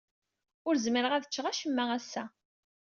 Ur zmireɣ ad ččeɣ acemma ass-a.